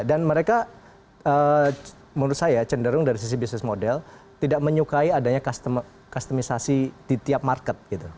mereka menurut saya cenderung dari sisi bisnis model tidak menyukai adanya customisasi di tiap market gitu